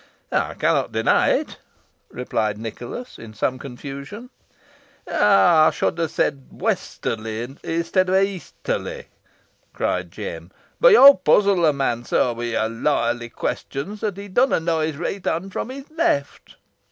"I cannot deny it," replied Nicholas, in some confusion. "Ey should ha' said 'westerly' i' stead o' 'yeasterly,'" cried Jem, "boh yo puzzle a mon so wi' your lawyerly questins, that he dusna knoa his reet hond fro' his laft."